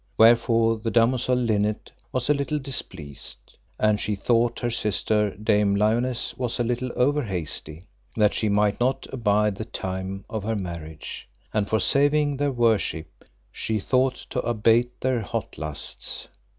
Wherefore the damosel Linet was a little displeased, and she thought her sister Dame Lionesse was a little over hasty, that she might not abide the time of her marriage; and for saving their worship, she thought to abate their hot lusts.